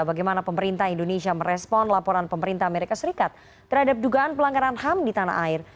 bagaimana pemerintah indonesia merespon laporan pemerintah amerika serikat terhadap dugaan pelanggaran ham di tanah air